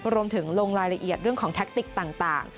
ลงรายละเอียดเรื่องของแท็กติกต่าง